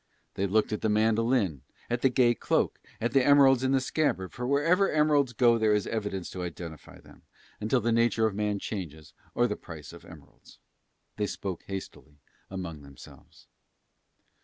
They looked at the mandolin, at the gay cloak, at the emeralds in the scabbard, for wherever emeralds go there is evidence to identify them, until the nature of man changes or the price of emeralds. They spoke hastily among themselves.